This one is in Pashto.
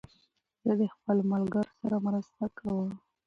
زه د خپلو ملګرو سره مرسته کوم.